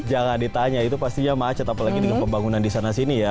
jangan ditanya itu pastinya macet apalagi dengan pembangunan di sana sini ya